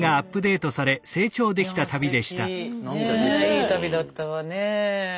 ねえいい旅だったわねえ。